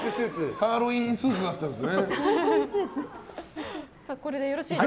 サーロインスーツだったんですね。